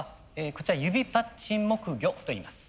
こちらユビパッチン木魚といいます。